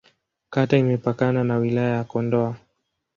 Kata imepakana na Wilaya ya Kondoa.